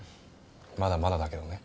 まだまだだけどね。